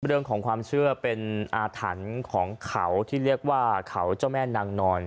เรื่องของความเชื่อเป็นอาถรรพ์ของเขาที่เรียกว่าเขาเจ้าแม่นางนอน